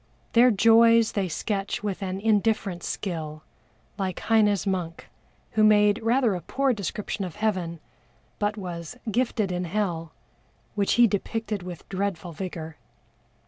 Their joys they sketch with an indifferent skill, like HEINE'S monk, who made rather a poor description of Heaven, but was "gifted in Hell," which he depicted with dreadful vigor.